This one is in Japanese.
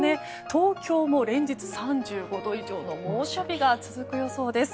東京も連日３５度以上の猛暑日が続く予想です。